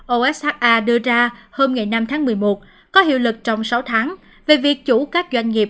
osa đưa ra hôm ngày năm tháng một mươi một có hiệu lực trong sáu tháng về việc chủ các doanh nghiệp